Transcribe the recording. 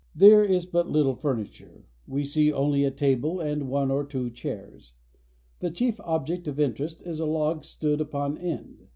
There is but little furniture. We see only a table and one or two chairs. The chief object of interest is a log stood upon end.